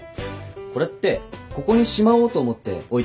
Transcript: これってここにしまおうと思って置いてるんですか？